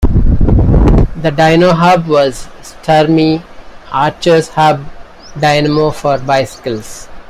The Dynohub was Sturmey-Archer's hub dynamo for bicycles.